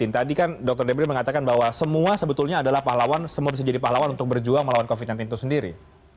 tadi kan dokter debri mengatakan bahwa semua sebetulnya adalah pahlawan semua bisa jadi pahlawan untuk berjuang melawan covid sembilan belas itu sendiri